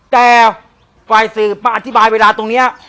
แต่ฝ่ายสืบมาอธิบายเวลาตรงนี้